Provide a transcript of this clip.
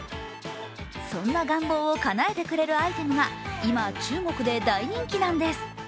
そんな願望をかなえてくれるアイテムが今、中国で大人気なんです。